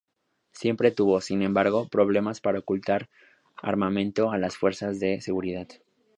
Siempre tuvo, sin embargo, problemas para ocultar su armamento a las fuerzas de seguridad.